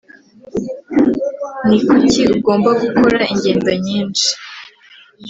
ni kuki? ugomba gukora ingendo nyinshi.